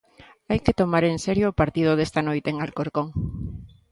Hai que tomar en serio o partido desta noite en Alcorcón.